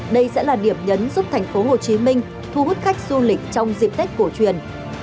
đây sẽ là điểm nhấn giúp thành phố hồ chí minh thu hút khách du lịch trong dịp tết cổ truyền